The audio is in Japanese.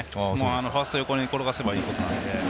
ファースト横に転がせばいいことなので。